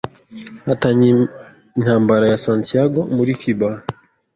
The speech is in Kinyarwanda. Hatangiye intambara ya Santiago muri Cuba,